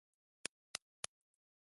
時間変化